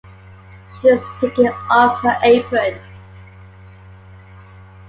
She’s taking off her apron.